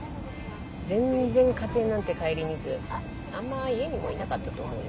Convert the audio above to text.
全然家庭なんて顧みずあんま家にもいなかったと思うよ。